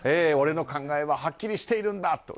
俺の考えははっきりしているんだ。